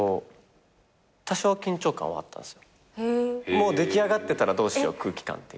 もう出来上がってたらどうしよう空気感っていう。